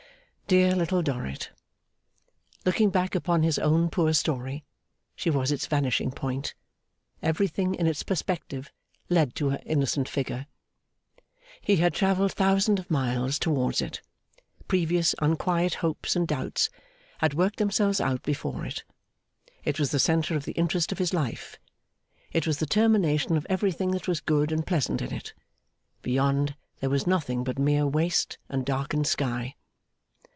Dear Little Dorrit. Looking back upon his own poor story, she was its vanishing point. Every thing in its perspective led to her innocent figure. He had travelled thousands of miles towards it; previous unquiet hopes and doubts had worked themselves out before it; it was the centre of the interest of his life; it was the termination of everything that was good and pleasant in it; beyond, there was nothing but mere waste and darkened sky.